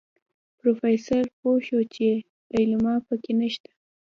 پروفيسر پوه شو چې ليلما پکې نشته.